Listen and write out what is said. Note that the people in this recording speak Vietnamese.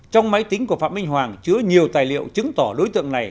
trong máy tính của phạm minh hoàng chứa nhiều tài liệu chứng tỏ đối tượng này